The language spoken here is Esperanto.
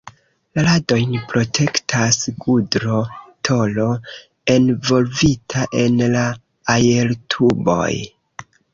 La radojn protektas gudro-tolo, envolvita en la aertuboj.